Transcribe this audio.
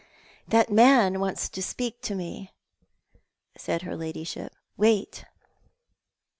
"That man wants to speak to me," said her ladyship. "Wait."